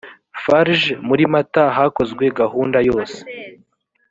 farg muri mata hakozwe gahunda yose